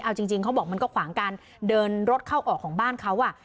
เอาจริงเขาบอกมันก็ขวางการเดินรถเข้าออกของบ้านเขา